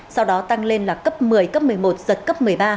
sau đó tăng lên là cấp một mươi cấp một mươi một giật cấp một mươi ba